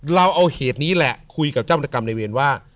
เราเอาเหตุนี้แหละคุยกับเจ้ากรรมในเวรว่า